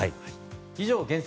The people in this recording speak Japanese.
以上、厳選！